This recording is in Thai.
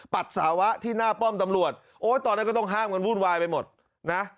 ปัสสาวะที่หน้าป้อมตำรวจโอ้ยตอนนั้นก็ต้องห้ามกันวุ่นวายไปหมดนะ